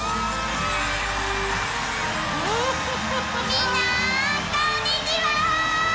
みんなこんにちは！